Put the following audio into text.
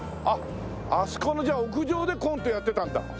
あっあそこのじゃあ屋上でコントやってたんだ。